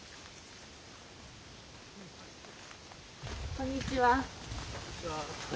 こんにちは。